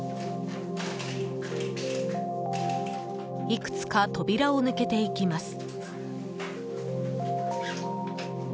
いくつか扉を抜けていきます。